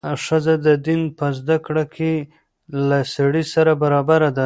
ښځه د دین په زده کړه کې له سړي سره برابره ده.